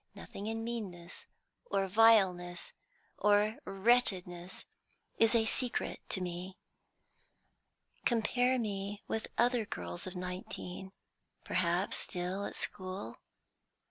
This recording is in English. Nothing in meanness or vileness or wretchedness is a secret to me. Compare me with other girls of nineteen perhaps still at school.